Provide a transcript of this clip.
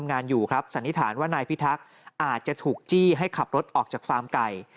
สันนิษฐานว่านายพี่ทักอาจจะถูกจี้ให้ขับรถออกจากฟาร์มไก่